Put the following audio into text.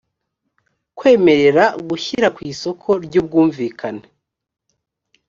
kwemerera gushyira ku isoko ry ubwumvikane